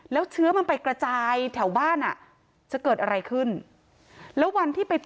แล้วเชื้อมันไปกระจายแถวบ้านจะเกิดอะไรขึ้น